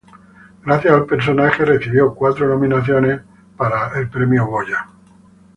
Gracias al personaje recibió cuatro nominaciones para el Premio Emmy.